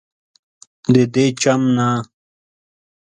ددې چم نه